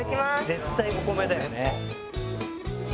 「絶対お米だよね」